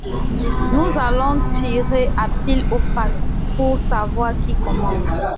Nous allons tirer à pile ou face pour savoir qui commence.